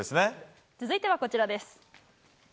続いては、こちらです。